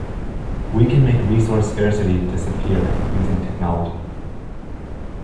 We can make resource scarcity disappear using technology.